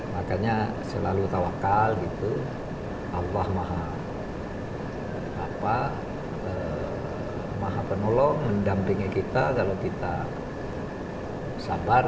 makanya selalu tawakal gitu allah maha maha penolong mendampingi kita kalau kita sabar